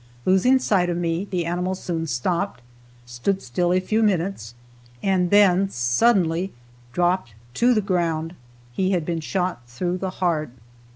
Losing sight of me the animal soon stopped, stood still a few minutes and then suddenly dropped to the ground. He had been shot through the heart.